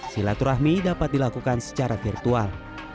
silaturahmi dapat dilakukan secara virtual